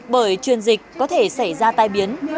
bởi truyền dịch có thể xảy ra tai biến